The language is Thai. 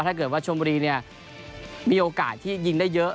ถ้าเกิดว่าชมบุรีเนี่ยมีโอกาสที่ยิงได้เยอะ